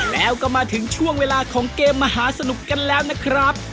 แล้วก็มาถึงช่วงเวลาของเกมมหาสนุกกันแล้วนะครับ